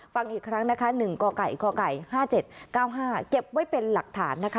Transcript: ฟังอีกครั้งนะคะ๑กไก่กไก่๕๗๙๕เก็บไว้เป็นหลักฐานนะคะ